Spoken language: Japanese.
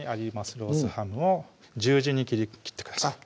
ロースハムを十字に切ってください